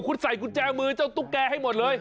คุณใส่กุญแจมือเจ้าตุ๊กแกให้หมดเลย